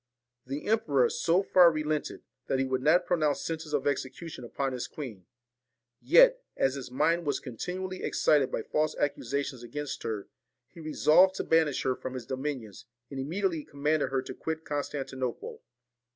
The emperor so far relented, that he would not pronounce sentence of execution upon his queen ; yet, as his mind was continually excited by false accusations against her, he resolved to banish her from his dominions, and immediately commanded her to quit Constantinople.